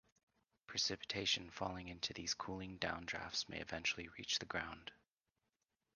Precipitation falling into these cooling down drafts may eventually reach the ground.